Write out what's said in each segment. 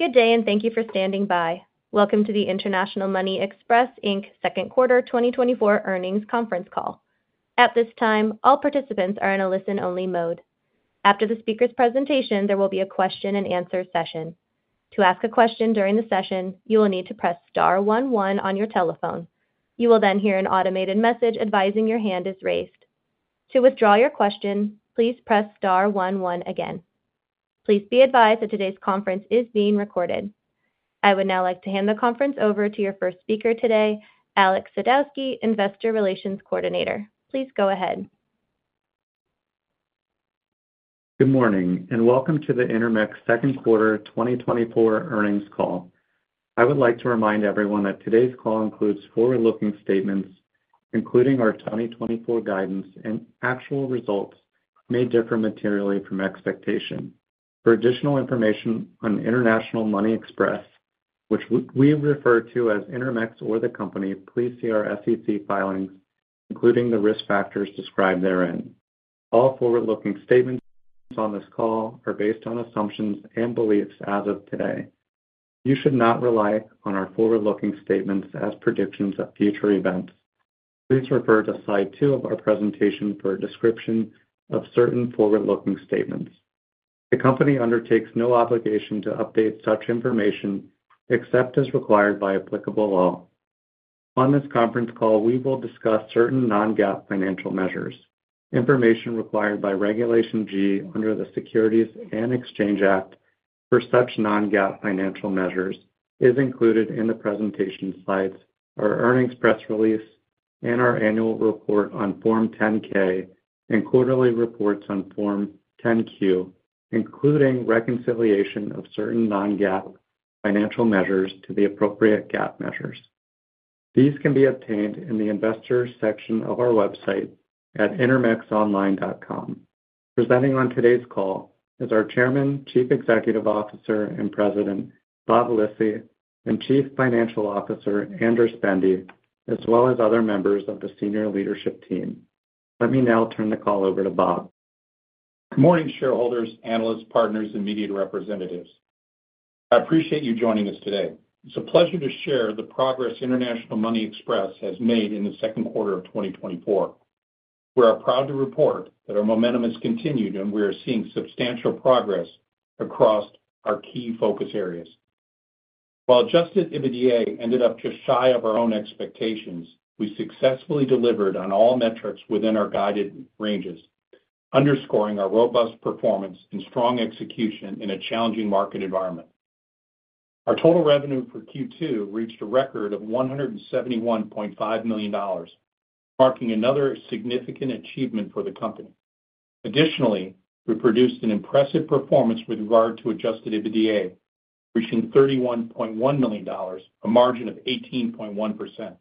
Good day, and thank you for standing by. Welcome to the International Money Express Inc. Second Quarter 2024 Earnings Conference Call. At this time, all participants are in a listen-only mode. After the speaker's presentation, there will be a question-and-answer session. To ask a question during the session, you will need to press star one one on your telephone. You will then hear an automated message advising your hand is raised. To withdraw your question, please press star one one again. Please be advised that today's conference is being recorded. I would now like to hand the conference over to your first speaker today, Alex Sadowski, Investor Relations Coordinator. Please go ahead. Good morning, and welcome to the Intermex Second Quarter 2024 Earnings Call. I would like to remind everyone that today's call includes forward-looking statements, including our 2024 guidance, and actual results may differ materially from expectation. For additional information on International Money Express, which we refer to as Intermex or the company, please see our SEC filings, including the risk factors described therein. All forward-looking statements on this call are based on assumptions and beliefs as of today. You should not rely on our forward-looking statements as predictions of future events. Please refer to slide two of our presentation for a description of certain forward-looking statements. The company undertakes no obligation to update such information except as required by applicable law. On this conference call, we will discuss certain non-GAAP financial measures. Information required by Regulation G under the Securities and Exchange Act for such non-GAAP financial measures is included in the presentation slides, our earnings press release, and our annual report on Form 10-K and quarterly reports on Form 10-Q, including reconciliation of certain non-GAAP financial measures to the appropriate GAAP measures. These can be obtained in the Investors section of our website at intermexonline.com. Presenting on today's call is our Chairman, Chief Executive Officer, and President, Bob Lisy, and Chief Financial Officer, Andras Bende, as well as other members of the senior leadership team. Let me now turn the call over to Bob. Good morning, shareholders, analysts, partners, and media representatives. I appreciate you joining us today. It's a pleasure to share the progress International Money Express has made in the second quarter of 2024. We are proud to report that our momentum has continued, and we are seeing substantial progress across our key focus areas. While adjusted EBITDA ended up just shy of our own expectations, we successfully delivered on all metrics within our guided ranges, underscoring our robust performance and strong execution in a challenging market environment. Our total revenue for Q2 reached a record of $171.5 million, marking another significant achievement for the company. Additionally, we produced an impressive performance with regard to adjusted EBITDA, reaching $31.1 million, a margin of 18.1%.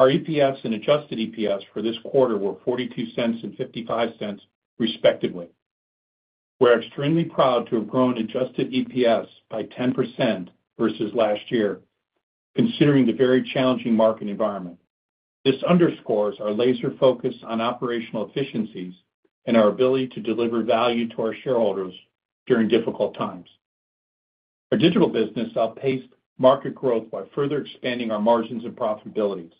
Our EPS and adjusted EPS for this quarter were $0.42 and $0.55, respectively. We're extremely proud to have grown adjusted EPS by 10% versus last year, considering the very challenging market environment. This underscores our laser focus on operational efficiencies and our ability to deliver value to our shareholders during difficult times. Our digital business outpaced market growth by further expanding our margins and profitabilities.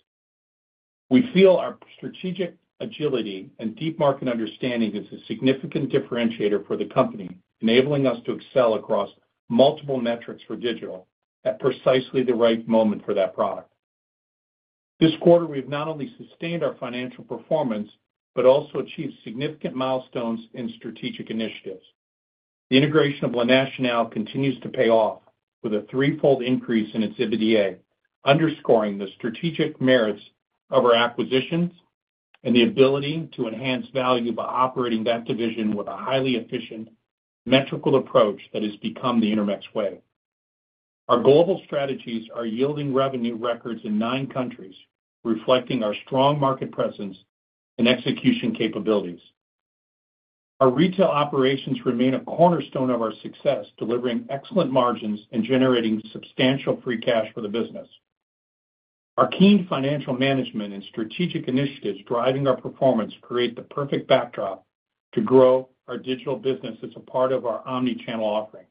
We feel our strategic agility and deep market understanding is a significant differentiator for the company, enabling us to excel across multiple metrics for digital at precisely the right moment for that product. This quarter, we've not only sustained our financial performance, but also achieved significant milestones in strategic initiatives. The integration of La Nacional continues to pay off, with a threefold increase in its EBITDA, underscoring the strategic merits of our acquisitions and the ability to enhance value by operating that division with a highly efficient, metrical approach that has become the Intermex way. Our global strategies are yielding revenue records in nine countries, reflecting our strong market presence and execution capabilities. Our retail operations remain a cornerstone of our success, delivering excellent margins and generating substantial free cash for the business. Our keen financial management and strategic initiatives driving our performance create the perfect backdrop to grow our digital business as a part of our omnichannel offering.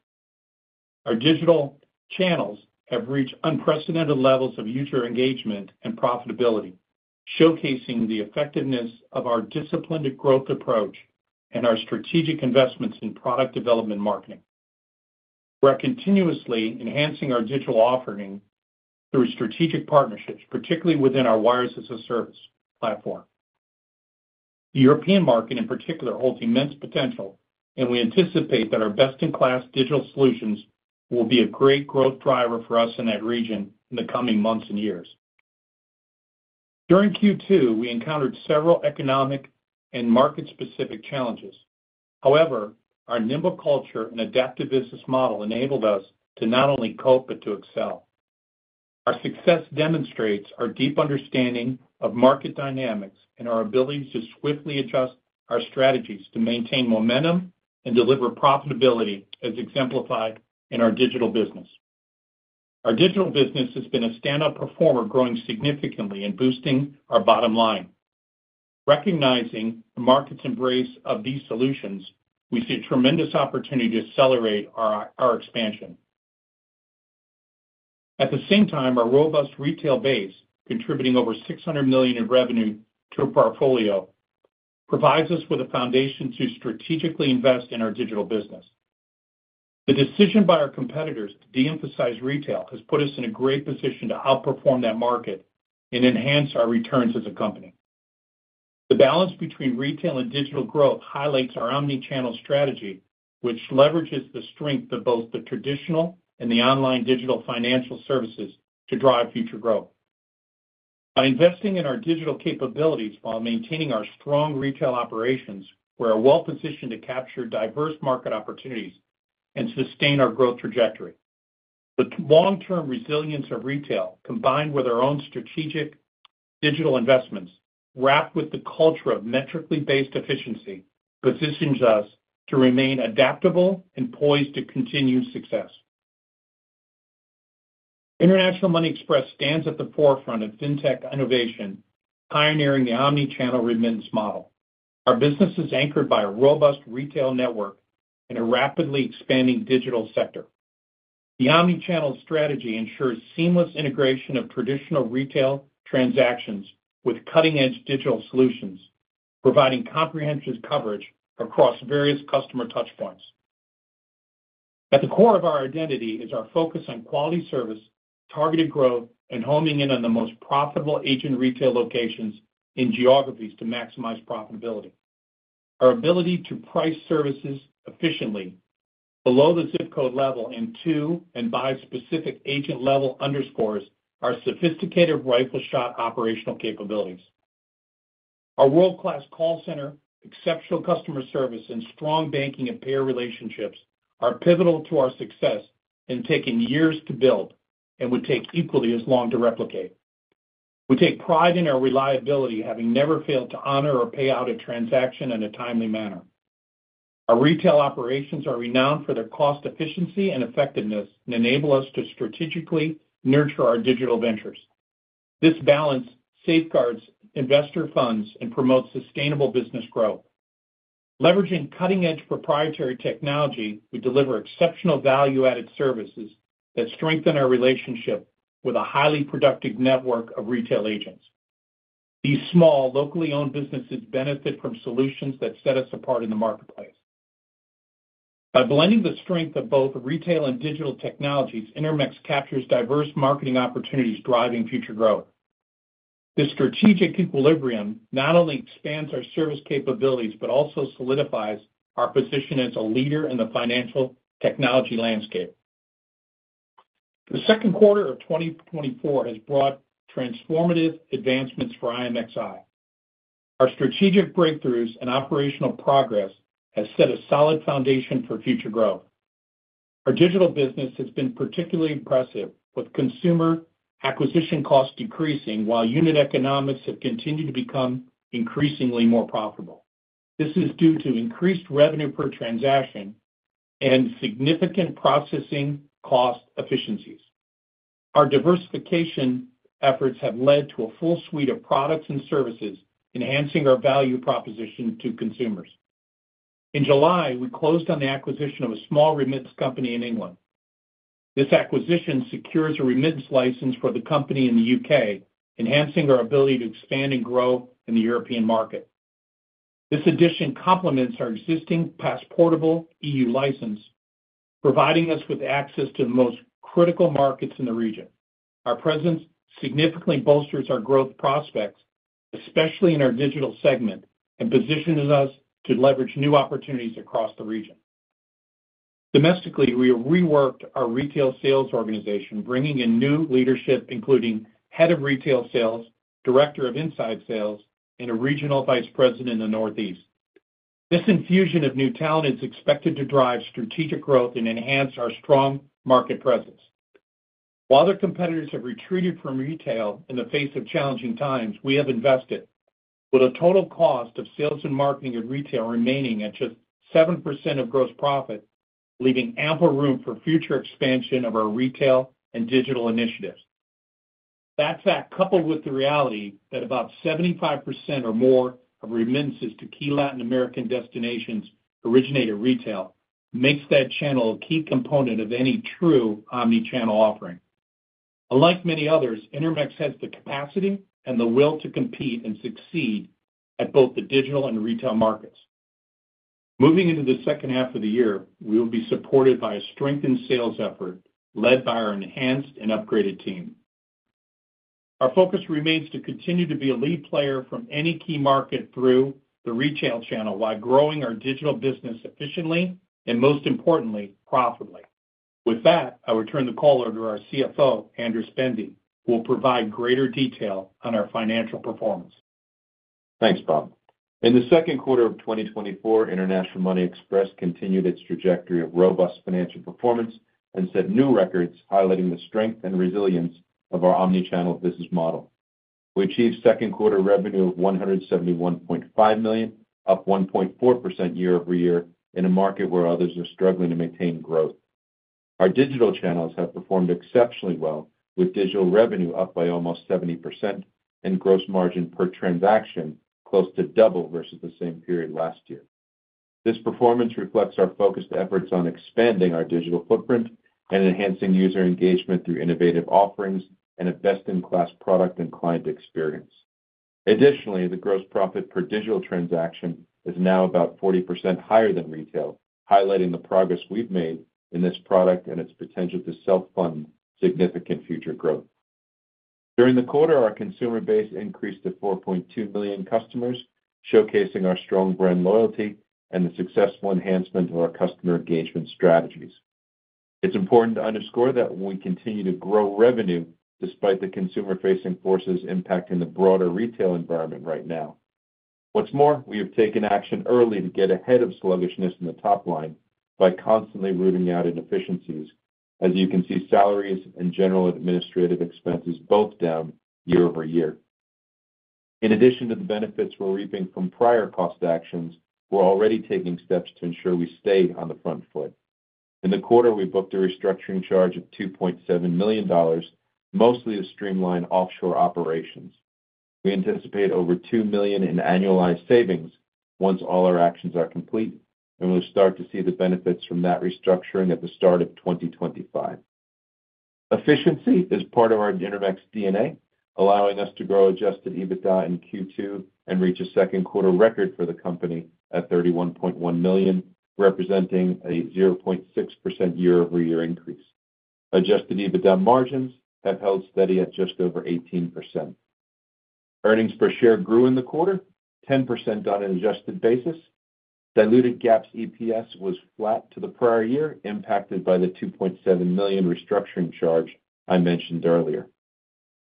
Our digital channels have reached unprecedented levels of user engagement and profitability, showcasing the effectiveness of our disciplined growth approach and our strategic investments in product development marketing. We are continuously enhancing our digital offering through strategic partnerships, particularly within our Wire-as-a-Service platform. The European market, in particular, holds immense potential, and we anticipate that our best-in-class digital solutions will be a great growth driver for us in that region in the coming months and years. During Q2, we encountered several economic and market-specific challenges. However, our nimble culture and adaptive business model enabled us to not only cope, but to excel. Our success demonstrates our deep understanding of market dynamics and our ability to swiftly adjust our strategies to maintain momentum and deliver profitability, as exemplified in our digital business. Our digital business has been a stand-up performer, growing significantly and boosting our bottom line. Recognizing the market's embrace of these solutions, we see a tremendous opportunity to accelerate our, our expansion. At the same time, our robust retail base, contributing over $600 million in revenue to our portfolio, provides us with a foundation to strategically invest in our digital business. The decision by our competitors to de-emphasize retail has put us in a great position to outperform that market and enhance our returns as a company. The balance between retail and digital growth highlights our omni-channel strategy, which leverages the strength of both the traditional and the online digital financial services to drive future growth. By investing in our digital capabilities while maintaining our strong retail operations, we're well-positioned to capture diverse market opportunities and sustain our growth trajectory. The long-term resilience of retail, combined with our own strategic digital investments, wrapped with the culture of metrically based efficiency, positions us to remain adaptable and poised to continue success. International Money Express stands at the forefront of fintech innovation, pioneering the omni-channel remittance model. Our business is anchored by a robust retail network and a rapidly expanding digital sector. The omni-channel strategy ensures seamless integration of traditional retail transactions with cutting-edge digital solutions, providing comprehensive coverage across various customer touchpoints. At the core of our identity is our focus on quality service, targeted growth, and homing in on the most profitable agent retail locations in geographies to maximize profitability. Our ability to price services efficiently below the zip code level and to and by specific agent level underscores our sophisticated rifle shot operational capabilities. Our world-class call center, exceptional customer service, and strong banking and payer relationships are pivotal to our success in taking years to build and would take equally as long to replicate. We take pride in our reliability, having never failed to honor or pay out a transaction in a timely manner. Our retail operations are renowned for their cost efficiency and effectiveness, and enable us to strategically nurture our digital ventures. This balance safeguards investor funds and promotes sustainable business growth. Leveraging cutting-edge proprietary technology, we deliver exceptional value-added services that strengthen our relationship with a highly productive network of retail agents. These small, locally owned businesses benefit from solutions that set us apart in the marketplace. By blending the strength of both retail and digital technologies, Intermex captures diverse marketing opportunities, driving future growth. This strategic equilibrium not only expands our service capabilities, but also solidifies our position as a leader in the financial technology landscape. The second quarter of 2024 has brought transformative advancements for IMXI. Our strategic breakthroughs and operational progress has set a solid foundation for future growth. Our digital business has been particularly impressive, with consumer acquisition costs decreasing, while unit economics have continued to become increasingly more profitable. This is due to increased revenue per transaction and significant processing cost efficiencies. Our diversification efforts have led to a full suite of products and services, enhancing our value proposition to consumers. In July, we closed on the acquisition of a small remittance company in England. This acquisition secures a remittance license for the company in the UK, enhancing our ability to expand and grow in the European market. This addition complements our existing passportable EU license, providing us with access to the most critical markets in the region. Our presence significantly bolsters our growth prospects, especially in our digital segment, and positions us to leverage new opportunities across the region. Domestically, we have reworked our retail sales organization, bringing in new leadership, including Head of Retail Sales, Director of Inside Sales, and a Regional Vice President in the Northeast. This infusion of new talent is expected to drive strategic growth and enhance our strong market presence. While their competitors have retreated from retail in the face of challenging times, we have invested, with a total cost of sales and marketing and retail remaining at just 7% of gross profit, leaving ample room for future expansion of our retail and digital initiatives. That fact, coupled with the reality that about 75% or more of remittances to key Latin American destinations originate at retail, makes that channel a key component of any true omni-channel offering. Unlike many others, Intermex has the capacity and the will to compete and succeed at both the digital and retail markets. Moving into the second half of the year, we will be supported by a strengthened sales effort led by our enhanced and upgraded team. Our focus remains to continue to be a lead player from any key market through the retail channel, while growing our digital business efficiently and, most importantly, profitably. With that, I will turn the call over to our CFO, Andras Bende, who will provide greater detail on our financial performance. Thanks, Bob. In the second quarter of 2024, International Money Express continued its trajectory of robust financial performance and set new records highlighting the strength and resilience of our omni-channel business model. We achieved second quarter revenue of $171.5 million, up 1.4% year-over-year, in a market where others are struggling to maintain growth. Our digital channels have performed exceptionally well, with digital revenue up by almost 70% and gross margin per transaction close to double versus the same period last year. This performance reflects our focused efforts on expanding our digital footprint and enhancing user engagement through innovative offerings and a best-in-class product and client experience. Additionally, the gross profit per digital transaction is now about 40% higher than retail, highlighting the progress we've made in this product and its potential to self-fund significant future growth. During the quarter, our consumer base increased to 4.2 million customers, showcasing our strong brand loyalty and the successful enhancement of our customer engagement strategies. It's important to underscore that we continue to grow revenue despite the consumer-facing forces impacting the broader retail environment right now. What's more, we have taken action early to get ahead of sluggishness in the top line by constantly rooting out inefficiencies. As you can see, salaries and general administrative expenses both down year-over-year. In addition to the benefits we're reaping from prior cost actions, we're already taking steps to ensure we stay on the front foot. In the quarter, we booked a restructuring charge of $2.7 million, mostly to streamline offshore operations. We anticipate over $2 million in annualized savings once all our actions are complete, and we'll start to see the benefits from that restructuring at the start of 2025. Efficiency is part of our Intermex DNA, allowing us to grow adjusted EBITDA in Q2 and reach a second quarter record for the company at $31.1 million, representing a 0.6% year-over-year increase. Adjusted EBITDA margins have held steady at just over 18%. Earnings per share grew in the quarter, 10% on an adjusted basis. Diluted GAAP EPS was flat to the prior year, impacted by the $2.7 million restructuring charge I mentioned earlier.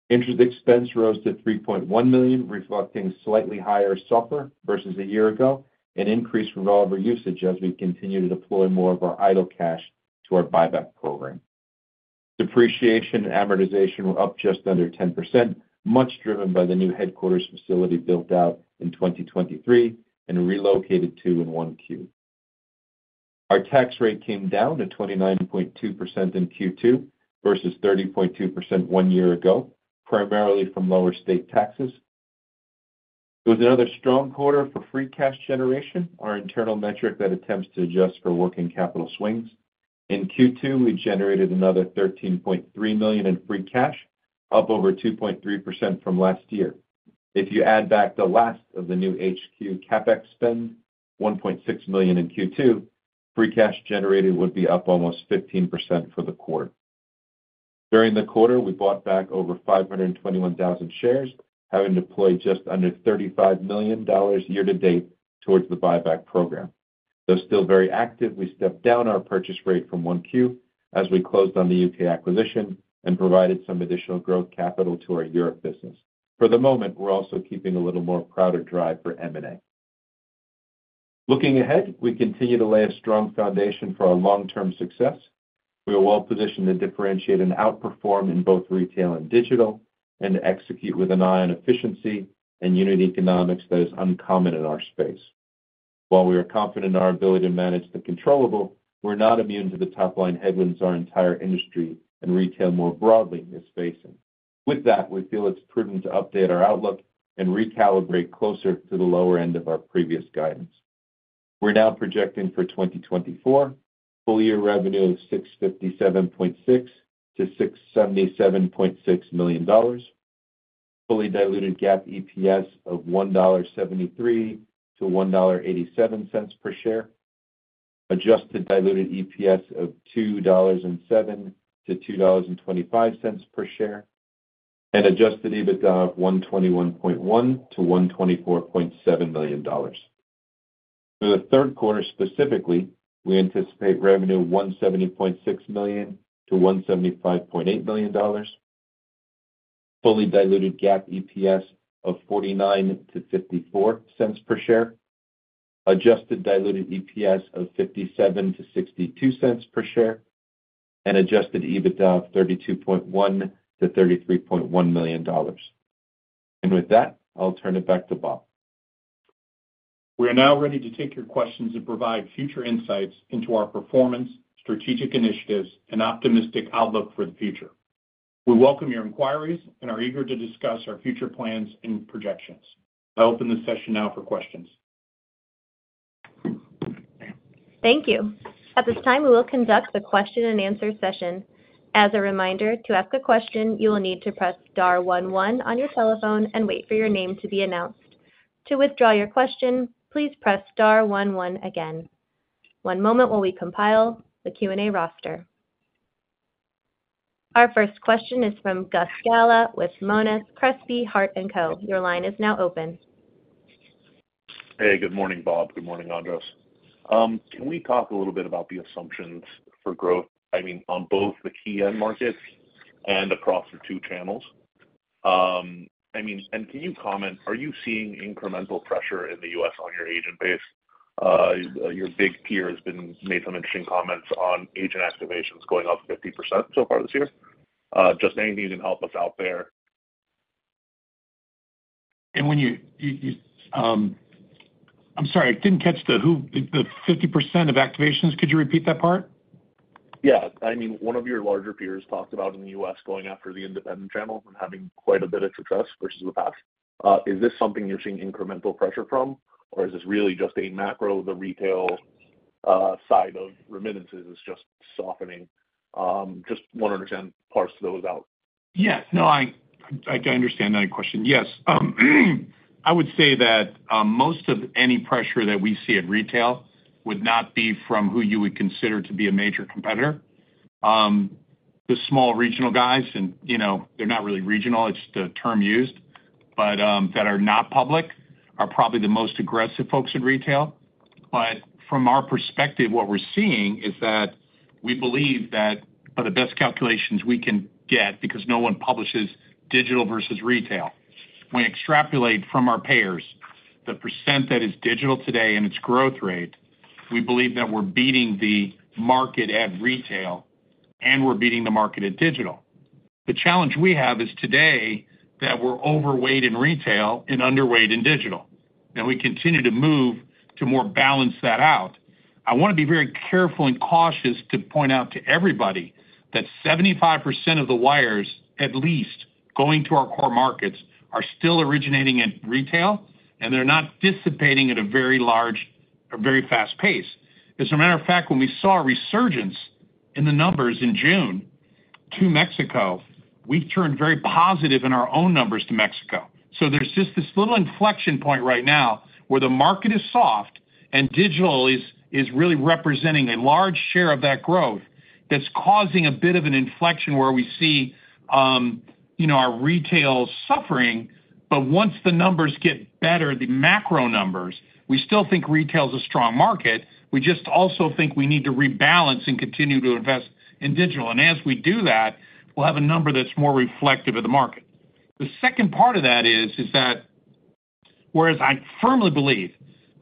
Interest expense rose to $3.1 million, reflecting slightly higher SOFR versus a year ago, and increased revolver usage as we continue to deploy more of our idle cash to our buyback program. Depreciation and amortization were up just under 10%, much driven by the new headquarters facility built out in 2023 and relocated to in 1Q. Our tax rate came down to 29.2% in Q2 versus 30.2% one year ago, primarily from lower state taxes. It was another strong quarter for free cash generation, our internal metric that attempts to adjust for working capital swings. In Q2, we generated another $13.3 million in free cash, up over 2.3% from last year. If you add back the last of the new HQ CAPEX spend, $1.6 million in Q2, free cash generated would be up almost 15% for the quarter. During the quarter, we bought back over 521,000 shares, having deployed just under $35 million year-to-date towards the buyback program. Though still very active, we stepped down our purchase rate from 1Q as we closed on the UK acquisition and provided some additional growth capital to our Europe business. For the moment, we're also keeping a little more powder dry for M&A. Looking ahead, we continue to lay a strong foundation for our long-term success. We are well positioned to differentiate and outperform in both retail and digital, and to execute with an eye on efficiency and unit economics that is uncommon in our space. While we are confident in our ability to manage the controllable, we're not immune to the top-line headwinds our entire industry and retail more broadly is facing. With that, we feel it's prudent to update our outlook and recalibrate closer to the lower end of our previous guidance. We're now projecting for 2024 full year revenue of $657.6 million-$677.6 million, fully diluted GAAP EPS of $1.73-$1.87 per share, adjusted diluted EPS of $2.07-$2.25 per share, and adjusted EBITDA of $121.1 million-$124.7 million. For the third quarter, specifically, we anticipate revenue of $170.6 million-$175.8 million, fully diluted GAAP EPS of $0.49-$0.54 per share, adjusted diluted EPS of $0.57-$0.62 per share, and adjusted EBITDA of $32.1 million-$33.1 million. And with that, I'll turn it back to Bob. We are now ready to take your questions and provide future insights into our performance, strategic initiatives, and optimistic outlook for the future. We welcome your inquiries and are eager to discuss our future plans and projections. I open this session now for questions. Thank you. At this time, we will conduct the question-and-answer session. As a reminder, to ask a question, you will need to press star one one on your telephone and wait for your name to be announced. To withdraw your question, please press star one one again. One moment while we compile the Q&A roster. Our first question is from Gus Gala with Monness, Crespi, Hardt & Co.. Your line is now open. Hey, good morning, Bob. Good morning, Andras. Can we talk a little bit about the assumptions for growth, I mean, on both the key end markets and across the two channels? I mean, and can you comment, are you seeing incremental pressure in the US on your agent base? Your big peer has made some interesting comments on agent activations going up 50% so far this year. Just anything you can help us out there? And when you, I'm sorry, I didn't catch the who, the 50% of activations. Could you repeat that part? Yeah. I mean, one of your larger peers talked about in the U.S. going after the independent channel and having quite a bit of success versus the past. Is this something you're seeing incremental pressure from? Or is this really just a macro, the retail side of remittances is just softening? Just wanna understand, parse those out. Yes. No, I understand that question. Yes. I would say that most of any pressure that we see at retail would not be from who you would consider to be a major competitor. The small regional guys and, you know, they're not really regional, it's the term used, but that are not public, are probably the most aggressive folks in retail. But from our perspective, what we're seeing is that we believe that by the best calculations we can get, because no one publishes digital versus retail. When we extrapolate from our payers, the percent that is digital today and its growth rate, we believe that we're beating the market at retail, and we're beating the market at digital. The challenge we have is today, that we're overweight in retail and underweight in digital, and we continue to move to more balance that out. I wanna be very careful and cautious to point out to everybody that 75% of the wires, at least going to our core markets, are still originating in retail, and they're not dissipating at a very large or very fast pace. As a matter of fact, when we saw a resurgence in the numbers in June to Mexico, we turned very positive in our own numbers to Mexico. So there's just this little inflection point right now where the market is soft and digital is really representing a large share of that growth that's causing a bit of an inflection where we see, you know, our retail suffering. But once the numbers get better, the macro numbers, we still think retail is a strong market. We just also think we need to rebalance and continue to invest in digital. And as we do that, we'll have a number that's more reflective of the market. The second part of that is, is that whereas I firmly believe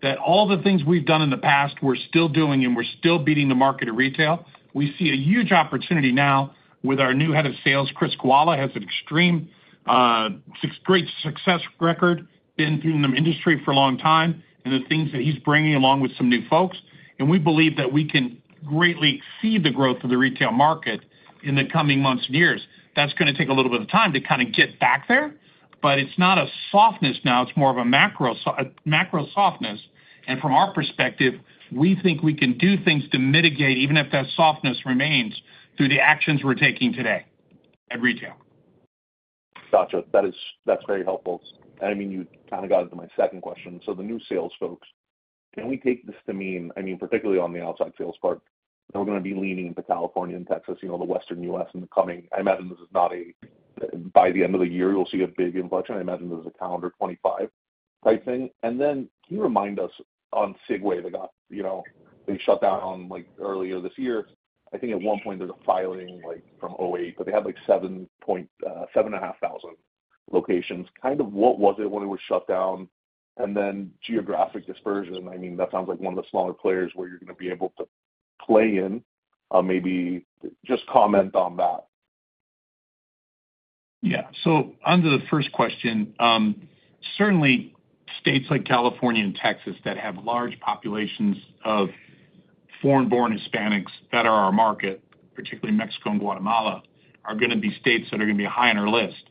that all the things we've done in the past, we're still doing and we're still beating the market at retail. We see a huge opportunity now with our new head of sales, Chris Kawula, has an extreme, great success record, been in the industry for a long time, and the things that he's bringing along with some new folks, and we believe that we can greatly exceed the growth of the retail market in the coming months and years. That's gonna take a little bit of time to kinda get back there, but it's not a softness now, it's more of a macro softness. From our perspective, we think we can do things to mitigate, even if that softness remains, through the actions we're taking today at retail. Gotcha. That is—That's very helpful. And I mean, you kinda got into my second question. So the new sales folks, can we take this to mean, I mean, particularly on the outside sales part, they're gonna be leaning into California and Texas, you know, the Western U.S., in the coming—I imagine this is not a, by the end of the year, you'll see a big inflection. I imagine this is a calendar 2025 type thing. And then can you remind us on Sigue, they got, you know, they shut down on, like, earlier this year. I think at one point there's a filing, like, from 2008, but they have, like, 7.5 thousand locations. Kind of what was it when it was shut down? And then geographic dispersion, I mean, that sounds like one of the smaller players where you're gonna be able to play in. Maybe just comment on that. Yeah. So onto the first question, certainly states like California and Texas that have large populations of foreign-born Hispanics that are our market, particularly Mexico and Guatemala, are gonna be states that are gonna be high on our list.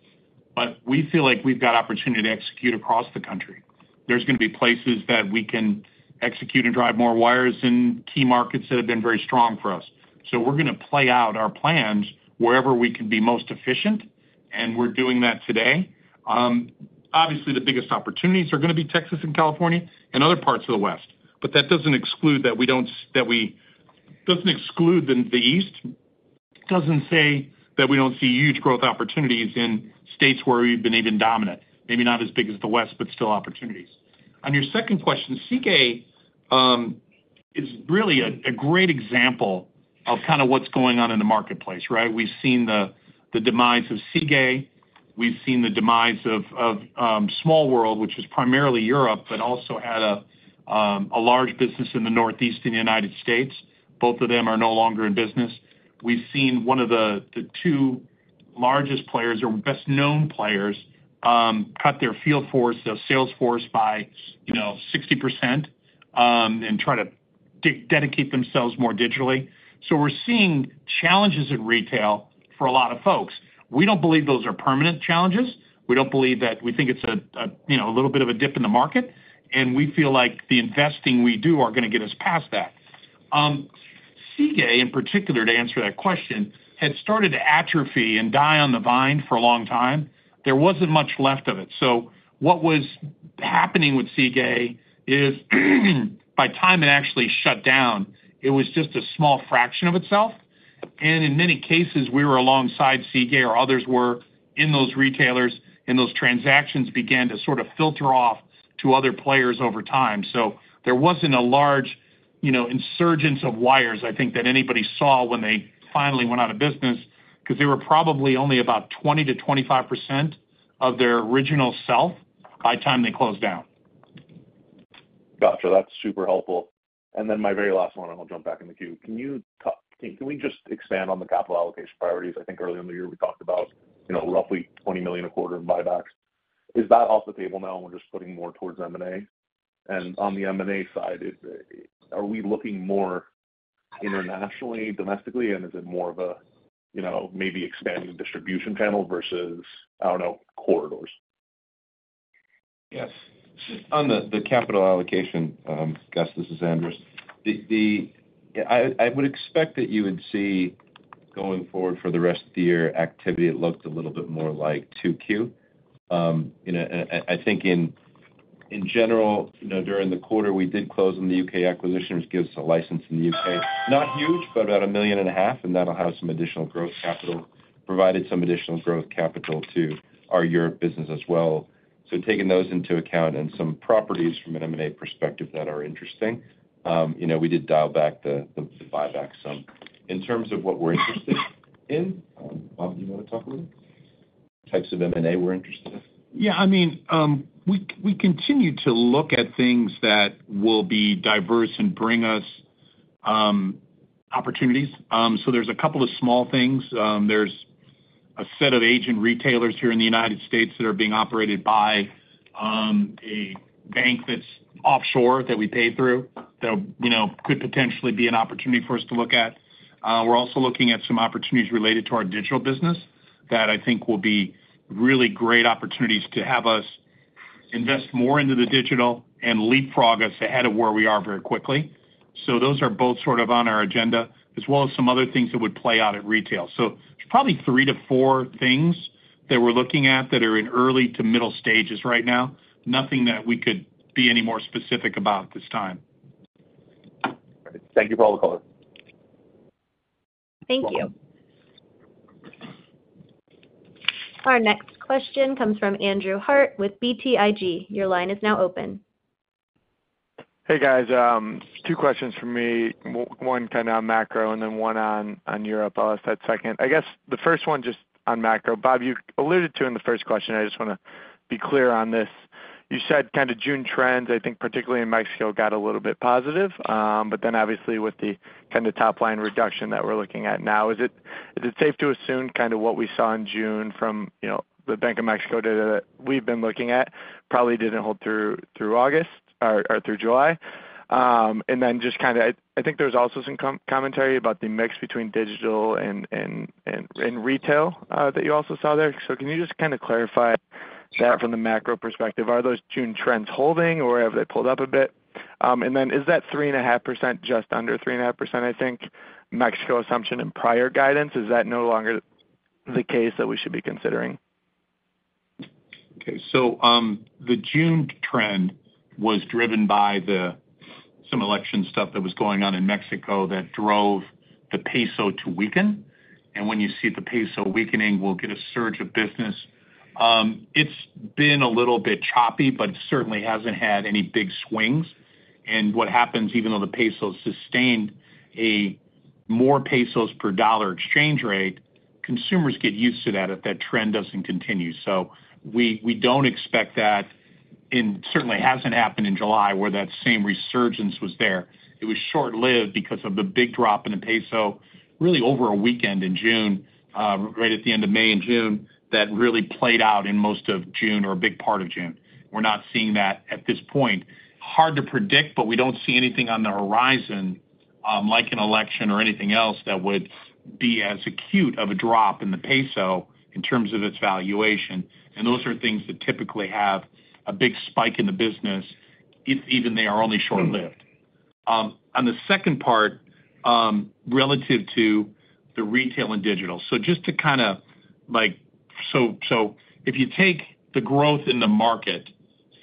But we feel like we've got opportunity to execute across the country. There's gonna be places that we can execute and drive more wires in key markets that have been very strong for us. So we're gonna play out our plans wherever we can be most efficient, and we're doing that today. Obviously, the biggest opportunities are gonna be Texas and California and other parts of the West. But that doesn't exclude the East. Doesn't say that we don't see huge growth opportunities in states where we've been even dominant, maybe not as big as the West, but still opportunities. On your second question, Sigue is really a great example of kinda what's going on in the marketplace, right? We've seen the demise of Sigue. We've seen the demise of SmallWorld, which is primarily Europe, but also had a large business in the Northeast in the United States. Both of them are no longer in business. We've seen one of the two largest players or best-known players cut their field force, their sales force by, you know, 60%, and try to dedicate themselves more digitally. So we're seeing challenges in retail for a lot of folks. We don't believe those are permanent challenges. We don't believe that. We think it's a little bit of a dip in the market, and we feel like the investing we do are gonna get us past that. Sigue, in particular, to answer that question, had started to atrophy and die on the vine for a long time. There wasn't much left of it. So what was happening with Sigue is, by the time it actually shut down, it was just a small fraction of itself, and in many cases, we were alongside Sigue or others were in those retailers, and those transactions began to sort of filter off to other players over time. So there wasn't a large, you know, insurgence of wires, I think, that anybody saw when they finally went out of business, because they were probably only about 20%-25% of their original self by the time they close down. Gotcha, that's super helpful. And then my very last one, and I'll jump back in the queue. Can you talk, can we just expand on the capital allocation priorities? I think earlier in the year, we talked about, you know, roughly $20 million a quarter in buybacks. Is that off the table now, and we're just putting more towards M&A? And on the M&A side, is, are we looking more internationally, domestically, and is it more of a, you know, maybe expanding the distribution panel versus, I don't know, corridors? Yes. On the capital allocation, Gus, this is Andras. I would expect that you would see, going forward for the rest of the year, activity that looks a little bit more like 2Q. You know, I think in general, you know, during the quarter, we did close on the U.K. acquisition, which gives us a license in the U.K.. Not huge, but about $1.5 million, and that'll have some additional growth capital, provided some additional growth capital to our Europe business as well. So taking those into account and some properties from an M&A perspective that are interesting, you know, we did dial back the buyback some. In terms of what we're interested in, Bob, do you want to talk a little bit? Types of M&A we're interested in. Yeah, I mean, we continue to look at things that will be diverse and bring us opportunities. So there's a couple of small things. There's a set of agent retailers here in the United States that are being operated by a bank that's offshore that we pay through, that, you know, could potentially be an opportunity for us to look at. We're also looking at some opportunities related to our digital business that I think will be really great opportunities to have us invest more into the digital and leapfrog us ahead of where we are very quickly. So those are both sort of on our agenda, as well as some other things that would play out at retail. So there's probably 3-4 things that we're looking at that are in early to middle stages right now. Nothing that we could be any more specific about at this time. Thank you for all the color. Thank you. Our next question comes from Andrew Harte with BTIG. Your line is now open. Hey, guys, two questions from me. One kind of on macro and then one on Europe. I'll ask that second. I guess the first one just on macro. Bob, you alluded to in the first question, I just want to be clear on this. You said kind of June trends, I think, particularly in Mexico, got a little bit positive, but then obviously, with the kind of top-line reduction that we're looking at now, is it safe to assume kind of what we saw in June from, you know, the Bank of Mexico data that we've been looking at probably didn't hold through August or through July? And then just kind of, I think there was also some commentary about the mix between digital and retail that you also saw there. So can you just kind of clarify that from the macro perspective? Are those June trends holding, or have they pulled up a bit? And then is that 3.5%, just under 3.5%, I think, Mexico assumption in prior guidance, is that no longer the case that we should be considering? Okay, so, the June trend was driven by some election stuff that was going on in Mexico that drove the peso to weaken. And when you see the peso weakening, we'll get a surge of business. It's been a little bit choppy, but certainly hasn't had any big swings. And what happens, even though the peso sustained a more pesos per dollar exchange rate, consumers get used to that if that trend doesn't continue. So we don't expect that, and certainly hasn't happened in July, where that same resurgence was there. It was short-lived because of the big drop in the peso, really over a weekend in June, right at the end of May and June, that really played out in most of June or a big part of June. We're not seeing that at this point. Hard to predict, but we don't see anything on the horizon, like an election or anything else that would be as acute of a drop in the peso in terms of its valuation. And those are things that typically have a big spike in the business, if even they are only short-lived. On the second part, relative to the retail and digital. So just to kind of, like... So, so if you take the growth in the market,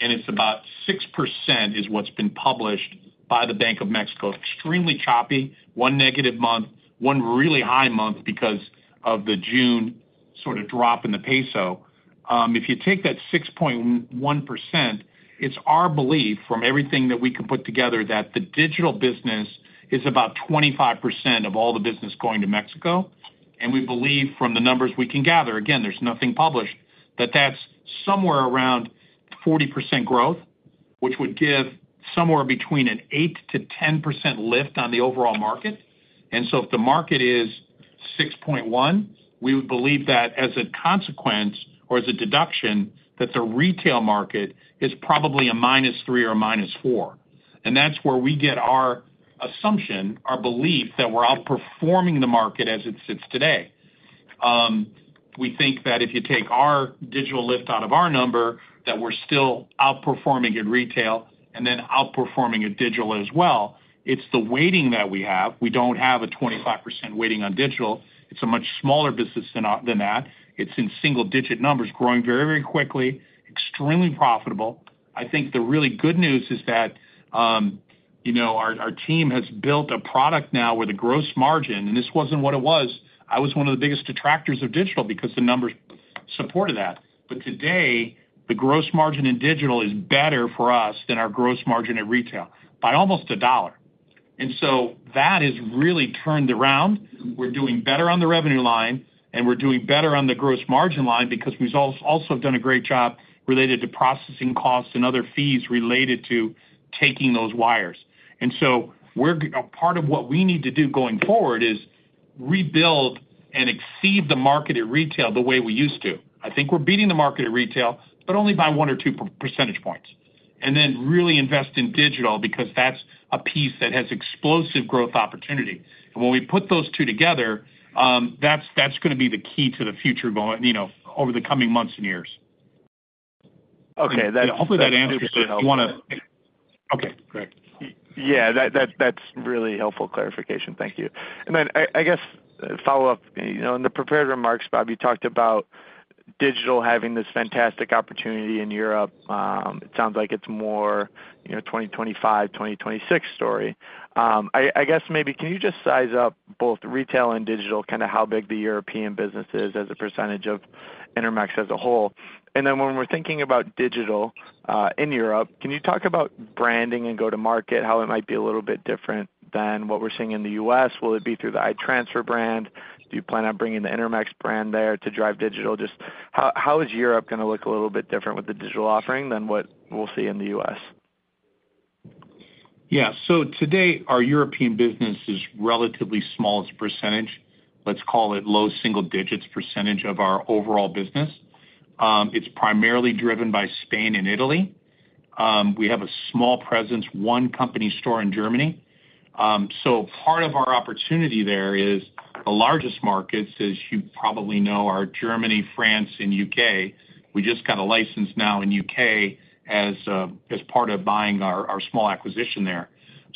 and it's about 6% is what's been published by the Bank of Mexico, extremely choppy, one negative month, one really high month because of the June sort of drop in the peso. If you take that 6.1%, it's our belief, from everything that we can put together, that the digital business is about 25% of all the business going to Mexico. We believe from the numbers we can gather, again, there's nothing published, that that's somewhere around 40% growth, which would give somewhere between an 8%-10% lift on the overall market. So if the market is 6.1, we would believe that as a consequence or as a deduction, that the retail market is probably a -3% or a -4%. That's where we get our assumption, our belief that we're outperforming the market as it sits today. We think that if you take our digital lift out of our number, that we're still outperforming in retail and then outperforming in digital as well. It's the weighting that we have. We don't have a 25% weighting on digital. It's a much smaller business than that. It's in single-digit numbers, growing very, very quickly, extremely profitable. I think the really good news is that, you know, our, our team has built a product now where the gross margin, and this wasn't what it was, I was one of the biggest detractors of digital because the numbers supported that. But today, the gross margin in digital is better for us than our gross margin at retail by almost $1. And so that has really turned around. We're doing better on the revenue line, and we're doing better on the gross margin line because we've also done a great job related to processing costs and other fees related to taking those wires. And so we're a part of what we need to do going forward is rebuild and exceed the market at retail the way we used to. I think we're beating the market at retail, but only by 1 or 2 percentage points, and then really invest in digital because that's a piece that has explosive growth opportunity. And when we put those two together, that's gonna be the key to the future, you know, over the coming months and years. Okay, that- Hopefully, that answers it. You wanna-- Okay, great. Yeah, that, that's really helpful clarification. Thank you. And then, I, I guess, follow up, you know, in the prepared remarks, Bob, you talked about digital having this fantastic opportunity in Europe. It sounds like it's more, you know, 2025, 2026 story. I, I guess, maybe can you just size up both retail and digital, kind of how big the European business is as a percentage of Intermex as a whole? And then when we're thinking about digital, in Europe, can you talk about branding and go-to-market, how it might be a little bit different than what we're seeing in the U.S.? Will it be through the I-Transfer brand? Do you plan on bringing the Intermex brand there to drive digital? Just how, how is Europe gonna look a little bit different with the digital offering than what we'll see in the U.S.? Yeah. So today, our European business is relatively small as a percentage. Let's call it low single digits% of our overall business. It's primarily driven by Spain and Italy. We have a small presence, one company store in Germany. So part of our opportunity there is, the largest markets, as you probably know, are Germany, France, and UK. We just got a license now in UK as part of buying our small acquisition there.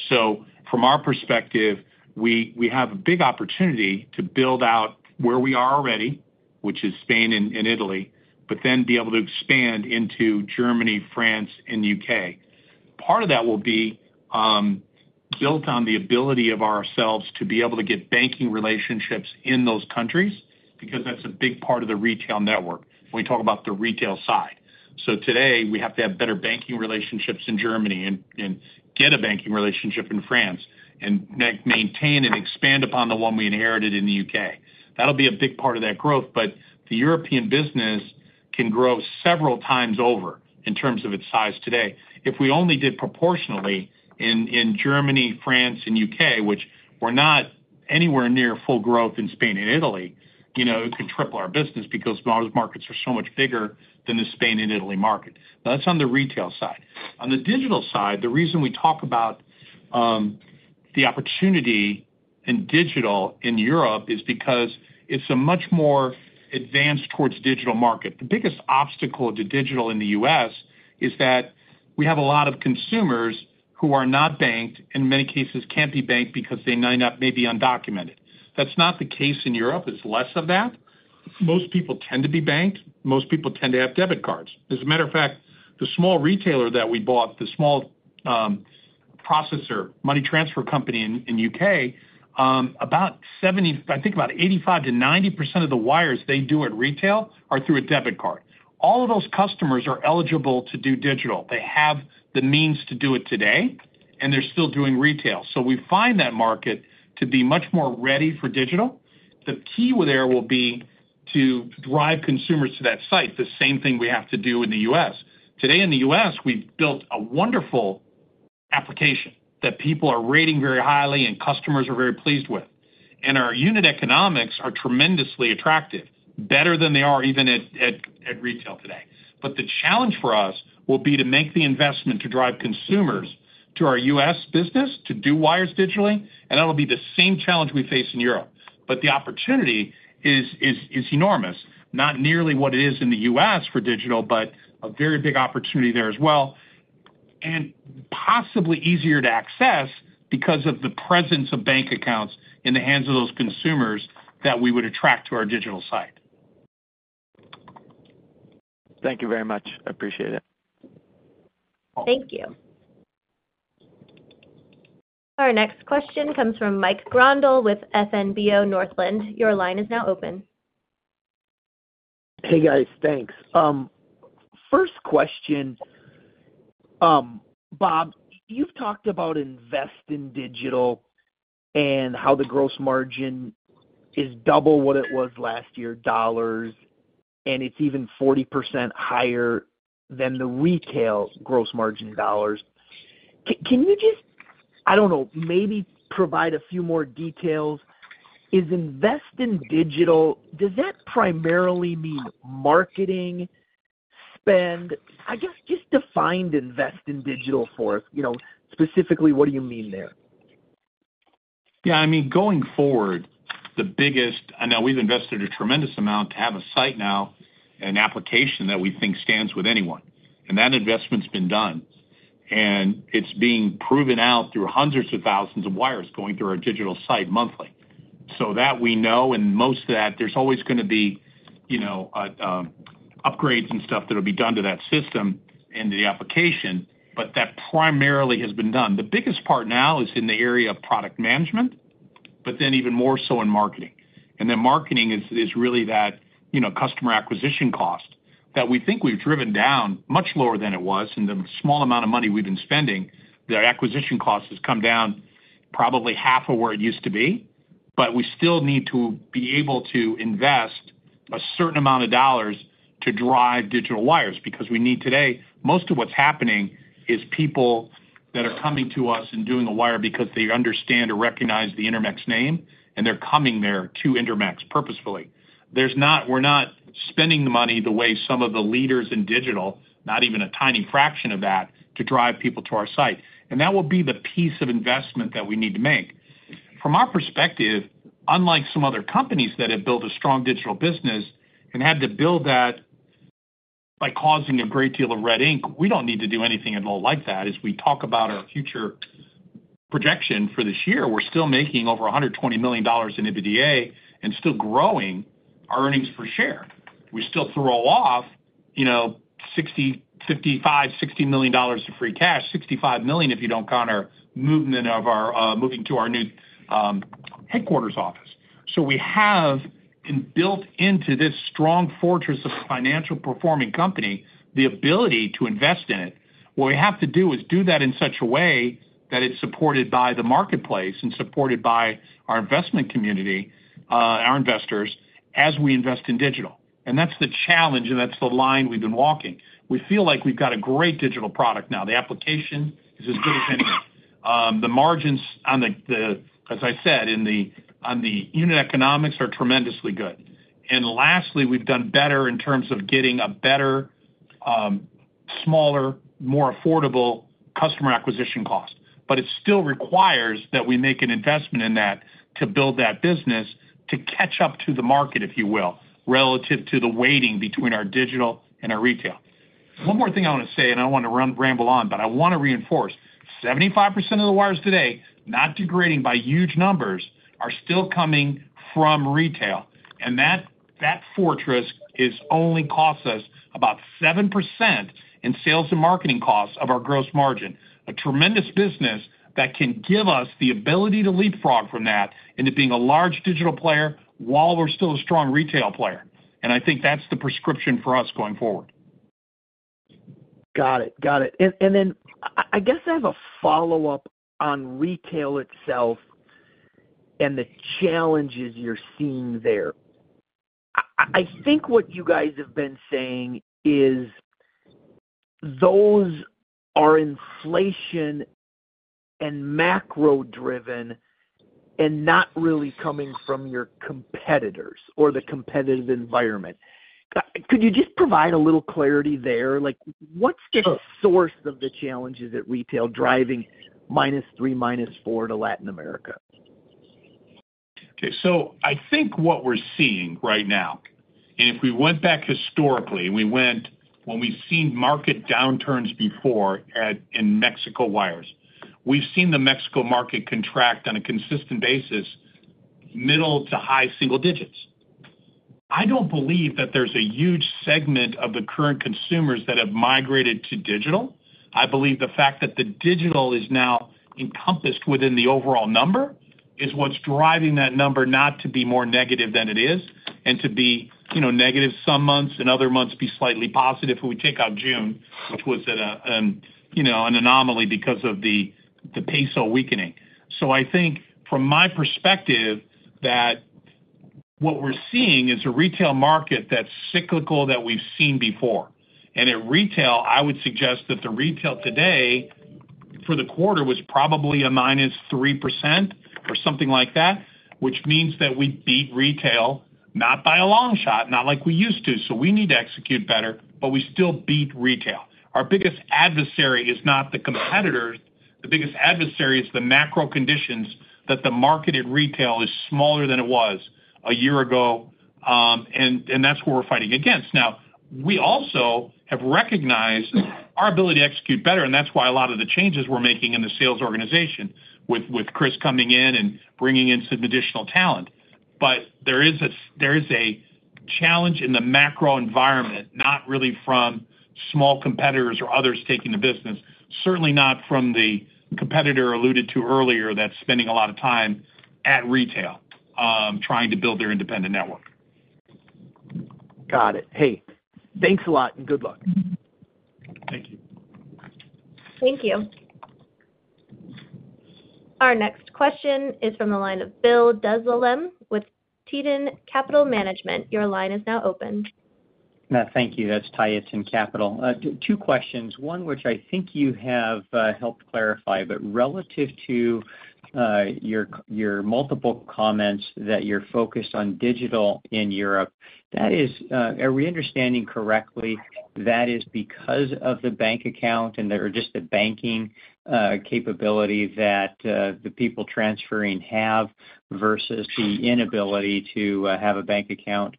So from our perspective, we have a big opportunity to build out where we are already, which is Spain and Italy, but then be able to expand into Germany, France, and UK. Part of that will be built on the ability of ourselves to be able to get banking relationships in those countries, because that's a big part of the retail network, when we talk about the retail side. So today, we have to have better banking relationships in Germany and get a banking relationship in France, and maintain and expand upon the one we inherited in the U.K.. That'll be a big part of that growth, but the European business can grow several times over in terms of its size today. If we only did proportionally in Germany, France, and U.K., which we're not anywhere near full growth in Spain and Italy, you know, it could triple our business because those markets are so much bigger than the Spain and Italy market. Now, that's on the retail side. On the digital side, the reason we talk about the opportunity in digital in Europe is because it's a much more advanced towards digital market. The biggest obstacle to digital in the U.S. is that we have a lot of consumers who are not banked, in many cases, can't be banked because they may be undocumented. That's not the case in Europe. It's less of that. Most people tend to be banked. Most people tend to have debit cards. As a matter of fact, the small retailer that we bought, the small processor, money transfer company in U.K., I think about 85%-90% of the wires they do at retail are through a debit card. All of those customers are eligible to do digital. They have the means to do it today, and they're still doing retail. So we find that market to be much more ready for digital. The key there will be to drive consumers to that site, the same thing we have to do in the U.S.. Today, in the U.S. we've built a wonderful application that people are rating very highly and customers are very pleased with. And our unit economics are tremendously attractive, better than they are even at retail today. But the challenge for us will be to make the investment to drive consumers to our U.S. business to do wires digitally, and that'll be the same challenge we face in Europe. But the opportunity is enormous. Not nearly what it is in the U.S. for digital, but a very big opportunity there as well, and possibly easier to access because of the presence of bank accounts in the hands of those consumers that we would attract to our digital site. Thank you very much. I appreciate it. Thank you. Our next question comes from Mike Grondahl with FNBO Northland. Your line is now open. Hey, guys. Thanks. First question, Bob, you've talked about invest in digital and how the gross margin is double what it was last year, dollars, and it's even 40% higher than the retail gross margin dollars. Can you just, I don't know, maybe provide a few more details? Is invest in digital, does that primarily mean marketing spend? I guess just define invest in digital for us. You know, specifically, what do you mean there? Yeah, I mean, going forward, the biggest. I know we've invested a tremendous amount to have a site now, an application that we think stands with anyone, and that investment's been done. And it's being proven out through hundreds of thousands of wires going through our digital site monthly. So that we know, and most of that, there's always gonna be, you know, upgrades and stuff that will be done to that system and the application, but that primarily has been done. The biggest part now is in the area of product management... but then even more so in marketing. And then marketing is, is really that, you know, customer acquisition cost that we think we've driven down much lower than it was in the small amount of money we've been spending. The acquisition cost has come down probably half of where it used to be, but we still need to be able to invest a certain amount of dollars to drive digital wires, because today, most of what's happening is people that are coming to us and doing a wire because they understand or recognize the Intermex name, and they're coming there to Intermex purposefully. We're not spending the money the way some of the leaders in digital, not even a tiny fraction of that, to drive people to our site. And that will be the piece of investment that we need to make. From our perspective, unlike some other companies that have built a strong digital business and had to build that by causing a great deal of red ink, we don't need to do anything at all like that. As we talk about our future projection for this year, we're still making over $120 million in EBITDA and still growing our earnings per share. We still throw off, you know, $55 million-$60 million of free cash, $65 million, if you don't count our movement of our moving to our new headquarters office. So we have, inbuilt into this strong fortress of financial performing company, the ability to invest in it. What we have to do is do that in such a way that it's supported by the marketplace and supported by our investment community, our investors, as we invest in digital. And that's the challenge, and that's the line we've been walking. We feel like we've got a great digital product now. The application is as good as anybody. The margins on the, as I said, on the unit economics are tremendously good. And lastly, we've done better in terms of getting a better, smaller, more affordable customer acquisition cost. But it still requires that we make an investment in that to build that business, to catch up to the market, if you will, relative to the weighting between our digital and our retail. One more thing I want to say, and I don't want to ramble on, but I want to reinforce: 75% of the wires today, not degrading by huge numbers, are still coming from retail, and that, that fortress is only costs us about 7% in sales and marketing costs of our gross margin. A tremendous business that can give us the ability to leapfrog from that into being a large digital player while we're still a strong retail player. I think that's the prescription for us going forward. Got it. Got it. Then I guess I have a follow-up on retail itself and the challenges you're seeing there. I think what you guys have been saying is those are inflation and macro-driven and not really coming from your competitors or the competitive environment. Could you just provide a little clarity there? Like, what's the source of the challenges at retail, driving -3, -4 to Latin America? Okay, so I think what we're seeing right now, and if we went back historically, and we went, when we've seen market downturns before at, in Mexico wires, we've seen the Mexico market contract on a consistent basis, middle to high single digits. I don't believe that there's a huge segment of the current consumers that have migrated to digital. I believe the fact that the digital is now encompassed within the overall number, is what's driving that number not to be more negative than it is, and to be, you know, negative some months and other months be slightly positive, if we take out June, which was at a, you know, an anomaly because of the, the peso weakening. So I think from my perspective, that what we're seeing is a retail market that's cyclical, that we've seen before. At retail, I would suggest that the retail today, for the quarter, was probably a -3% or something like that, which means that we beat retail, not by a long shot, not like we used to. So we need to execute better, but we still beat retail. Our biggest adversary is not the competitors. The biggest adversary is the macro conditions, that the market at retail is smaller than it was a year ago, and that's what we're fighting against. Now, we also have recognized our ability to execute better, and that's why a lot of the changes we're making in the sales organization with, with Chris coming in and bringing in some additional talent. But there is a challenge in the macro environment, not really from small competitors or others taking the business, certainly not from the competitor alluded to earlier, that's spending a lot of time at retail, trying to build their independent network. Got it. Hey, thanks a lot and good luck. Thank you. Thank you. Our next question is from the line of Bill Dezellem with Tieton Capital Management. Your line is now open. Thank you. That's Tieton Capital. Two questions. One, which I think you have helped clarify, but relative to your multiple comments that you're focused on digital in Europe, that is... Are we understanding correctly, that is because of the bank account and there are just the banking capability that the people transferring have, versus the inability to have a bank account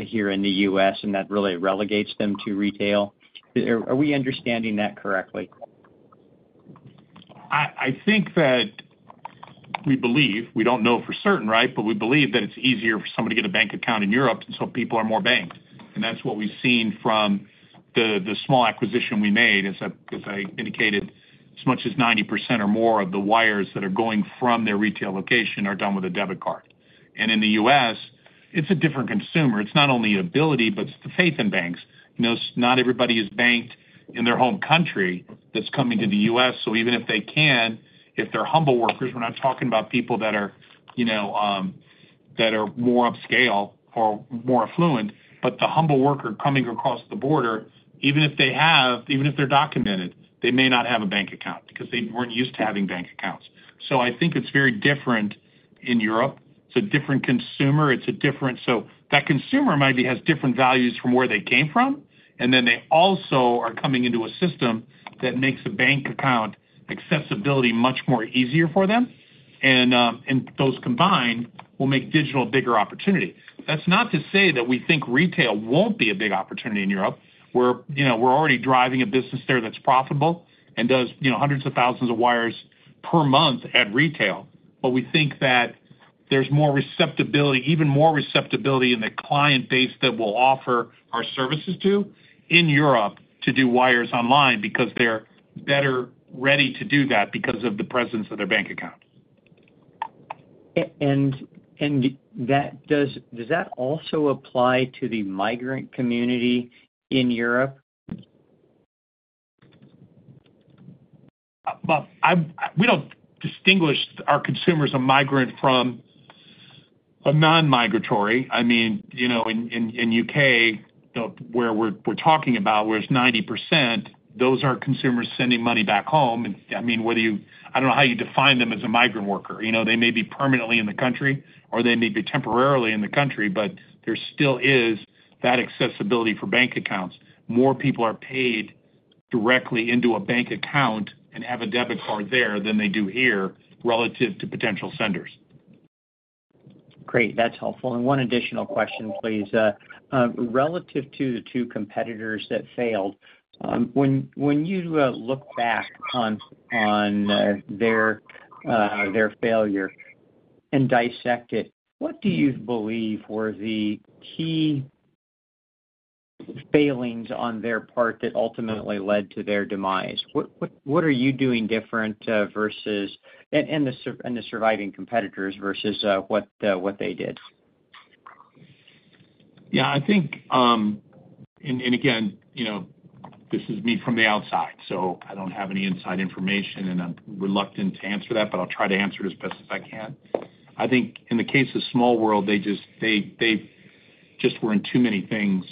here in the U.S., and that really relegates them to retail? Are we understanding that correctly? I think that we believe, we don't know for certain, right? But we believe that it's easier for somebody to get a bank account in Europe, and so people are more banked... and that's what we've seen from the small acquisition we made. As I indicated, as much as 90% or more of the wires that are going from their retail location are done with a debit card. In the U.S., it's a different consumer. It's not only ability, but it's the faith in banks. You know, not everybody is banked in their home country that's coming to the U.S., so even if they can, if they're humble workers, we're not talking about people that are, you know, that are more upscale or more affluent. But the humble worker coming across the border, even if they're documented, they may not have a bank account because they weren't used to having bank accounts. So I think it's very different in Europe. It's a different consumer. So that consumer maybe has different values from where they came from, and then they also are coming into a system that makes a bank account accessibility much more easier for them, and those combined will make digital a bigger opportunity. That's not to say that we think retail won't be a big opportunity in Europe, where, you know, we're already driving a business there that's profitable and does, you know, hundreds of thousands of wires per month at retail. But we think that there's more receptivity, even more receptivity in the client base that we'll offer our services to in Europe to do wires online because they're better ready to do that because of the presence of their bank accounts. And that does that also apply to the migrant community in Europe? But we don't distinguish our consumers as a migrant from a non-migratory. I mean, you know, in the U.K., where we're talking about, where it's 90%, those are consumers sending money back home. And, I mean, whether you... I don't know how you define them as a migrant worker. You know, they may be permanently in the country or they may be temporarily in the country, but there still is that accessibility for bank accounts. More people are paid directly into a bank account and have a debit card there than they do here relative to potential senders. Great, that's helpful. And one additional question, please. Relative to the two competitors that failed, when you look back on their failure and dissect it, what do you believe were the key failings on their part that ultimately led to their demise? What are you doing different versus and the surviving competitors versus what they did? Yeah, I think, and again, you know, this is me from the outside, so I don't have any inside information, and I'm reluctant to answer that, but I'll try to answer it as best as I can. I think in the case of Small World, they just were in too many things,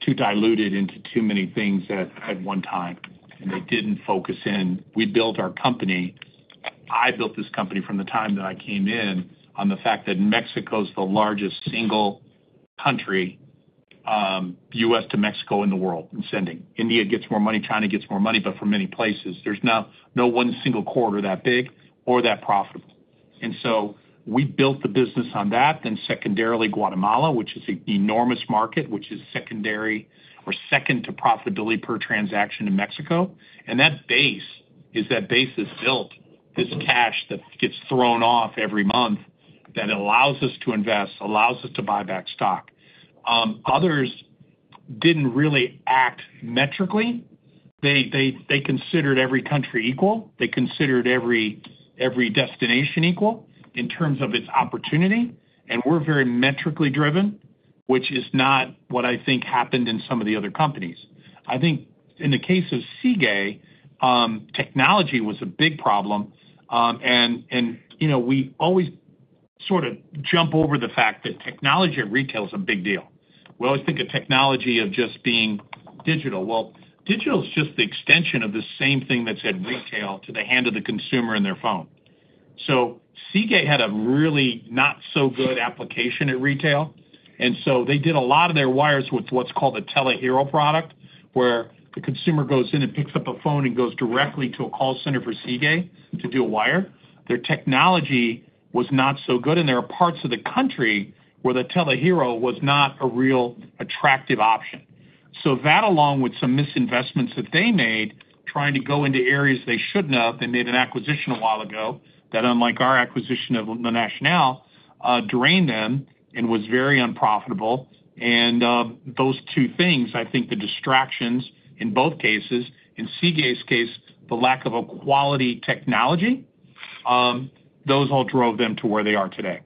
too diluted into too many things at one time, and they didn't focus in. We built our company... I built this company from the time that I came in, on the fact that Mexico's the largest single country, U.S. to Mexico, in the world, in sending. India gets more money, China gets more money, but from many places. There's not no one single corridor that big or that profitable. And so we built the business on that, then secondarily, Guatemala, which is an enormous market, which is secondary or second to profitability per transaction in Mexico. And that base that's built, this cash that gets thrown off every month, that allows us to invest, allows us to buy back stock. Others didn't really act metrically. They considered every country equal. They considered every destination equal in terms of its opportunity, and we're very metrically driven, which is not what I think happened in some of the other companies. I think in the case of Sigue, technology was a big problem. And, you know, we always sort of jump over the fact that technology at retail is a big deal. We always think of technology of just being digital. Well, digital is just the extension of the same thing that's at retail to the hand of the consumer and their phone. So Sigue had a really not-so-good application at retail, and so they did a lot of their wires with what's called a Telegiro product, where the consumer goes in and picks up a phone and goes directly to a call center for Sigue to do a wire. Their technology was not so good, and there are parts of the country where the Telegiro was not a real attractive option. So that, along with some misinvestments that they made, trying to go into areas they shouldn't have, they made an acquisition a while ago, that unlike our acquisition of La Nacional, drained them and was very unprofitable. Those two things, I think the distractions in both cases, in Sigue's case, the lack of a quality technology, those all drove them to where they are today.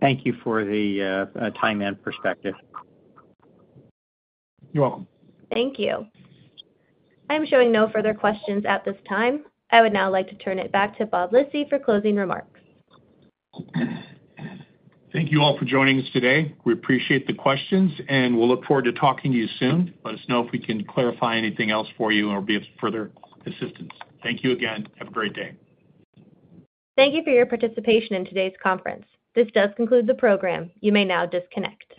Thank you for the time and perspective. You're welcome. Thank you. I'm showing no further questions at this time. I would now like to turn it back to Bob Lisy for closing remarks. Thank you all for joining us today. We appreciate the questions, and we'll look forward to talking to you soon. Let us know if we can clarify anything else for you or be of further assistance. Thank you again. Have a great day. Thank you for your participation in today's conference. This does conclude the program. You may now disconnect.